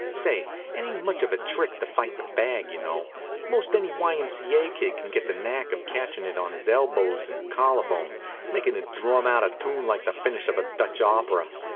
Say, it ain't much of a trick to fight the bag, y'know. Most any Y. M. C. A. kid can get the knack of catchin' it on his elbows and collarbone, makin' it drum out a tune like the finish of a Dutch opera.